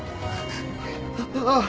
ああ。